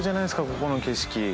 ここの景色。